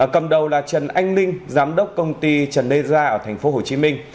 cầm đầu là trần anh linh giám đốc công ty trần lê gia ở thành phố hồ chí minh